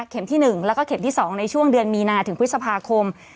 ที่๑แล้วก็เข็มที่๒ในช่วงเดือนมีนาถึงพฤษภาคม